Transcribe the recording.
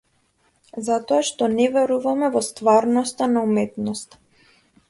Затоа што не веруваме во стварноста на уметноста.